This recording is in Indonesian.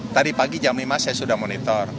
tadi pagi jam lima saya sudah monitor